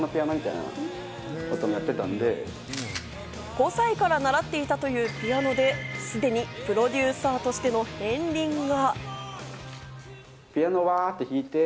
５歳から習っていたというピアノですでにプロデューサーとしての片りんが。